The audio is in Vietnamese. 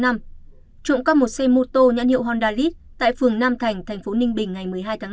trộm cắp một xe mô tô nhãn hiệu hondalit tại phường nam thành thành phố ninh bình ngày một mươi hai tháng năm